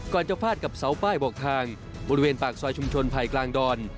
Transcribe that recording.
จะฟาดกับเสาป้ายบอกทางบริเวณปากซอยชุมชนไผ่กลางดอน